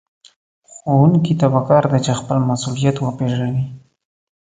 ښوونکي ته پکار ده چې خپل مسؤليت وپېژني.